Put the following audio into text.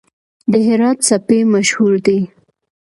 د هرات سپي مشهور دي